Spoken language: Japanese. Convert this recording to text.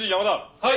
はい！